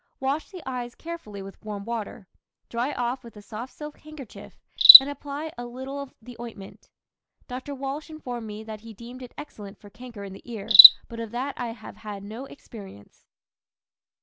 Wash the eyes carefully with warm water, dry off with a soft silk handkerchief, and apply a little of the ointment. Dr. Walsh informed me that he deemed it excellent for canker in the ear, but of that I have had no experience.